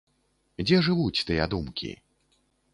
Дзе жывуць тыя думкі?